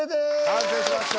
完成しました。